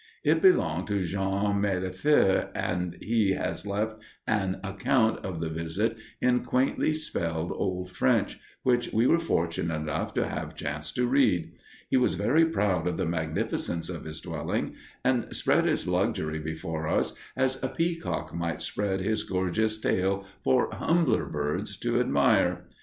It belonged to Jean Mailefer, and he has left an account of the visit in quaintly spelled old French which we were fortunate enough to have a chance to read. He was very proud of the magnificence of his dwelling, and spread its luxury before us as a peacock might spread his gorgeous tail for humbler birds to admire.